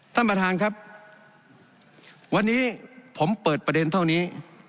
ท่านประธานครับวันนี้ผมเปิดประเด็นเท่านี้